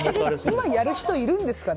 今やる人いるんですか。